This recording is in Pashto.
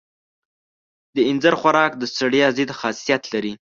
د اینځر خوراک د ستړیا ضد خاصیت لري.